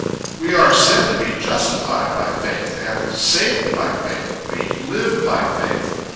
We are said to be "justified by faith," and "saved by faith;" we "live by faith."